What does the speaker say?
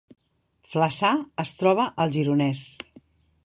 Flaçà es troba al Gironès